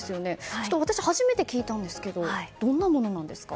私、初めて聞いたんですがどんなものなんですか？